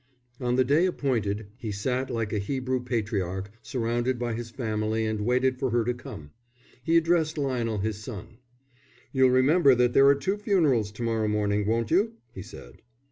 On the day appointed he sat like a Hebrew patriarch surrounded by his family and waited for her to come. He addressed Lionel, his son. "You'll remember that there are two funerals to morrow morning, won't you?" he said.